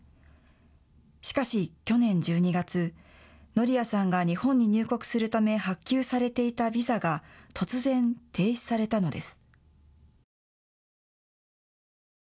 しかし去年１２月、ノリアさんが日本に入国するため発給されていたビザが突然、停止されたのです。